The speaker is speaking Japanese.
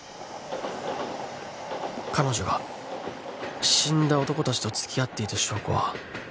「彼女が死んだ男達とつきあっていた証拠は」